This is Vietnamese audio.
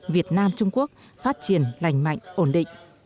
việt nam trung quốc phát triển lành mạnh ổn định